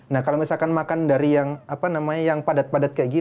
nah kalau misalkan makan dari yang apa namanya yang padat padatnya gitu kan ya